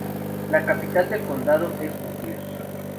La capital de condado es Butler.